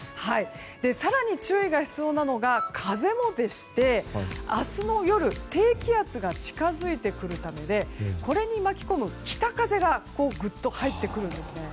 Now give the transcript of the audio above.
更に注意が必要なのが風もでして明日の夜低気圧が近づいてくるためこれ、巻き込む北風がぐっと入ってくるんです。